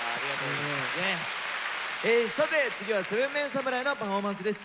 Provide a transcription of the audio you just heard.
さて次は７ＭＥＮ侍のパフォーマンスです。